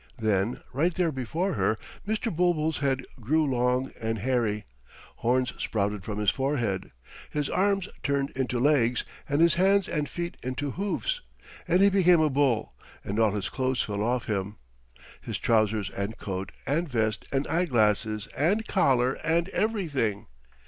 Then, right there before her, Mr. Bulbul's head grew long and hairy, horns sprouted from his forehead, his arms turned into legs, and his hands and feet into hoofs, and he became a bull and all his clothes fell off him, his trousers and coat and vest and eyeglasses and collar and everything.